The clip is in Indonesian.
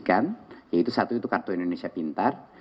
yaitu satu itu kartu indonesia pintar